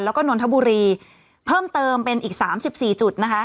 แล้วก็นนทบุรีเพิ่มเติมเป็นอีก๓๔จุดนะคะ